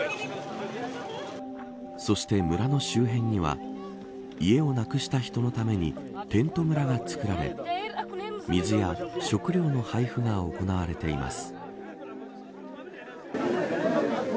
そして、村の周辺には家をなくした人のためにテント村が作られ水や食料の配布が行われています。